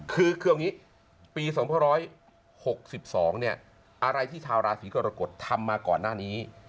คือเอาอย่างนี้ปี๒๖๒เนี่ยอะไรที่ชาวราศีกรกฎทำมาก่อนหน้านี้